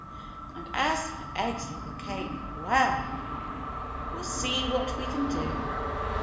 And as for eggs for the cake, — well, we'll see what we can do.